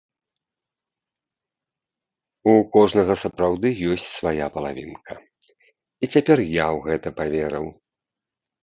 У кожнага сапраўды ёсць свая палавінка, і цяпер я ў гэта паверыў.